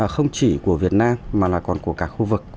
không chỉ của việt nam mà còn của cả khu vực